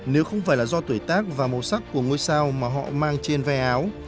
nếu không phải là do tuổi tác và màu sắc của ngôi sao mà họ mang trên vai áo